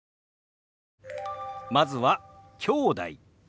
まずは「きょうだい」。